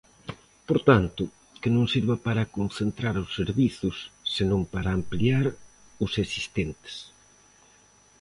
Por tanto, que non sirva para concentrar os servizos, senón para ampliar os existentes.